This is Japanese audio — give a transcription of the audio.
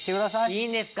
いいんですか？